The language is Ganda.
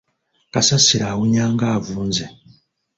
Kasasiro awunya ng'avunze.